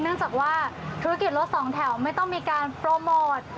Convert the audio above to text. เนื่องจากว่าธุรกิจรถสองแถวไม่ต้องมีการโปรโมท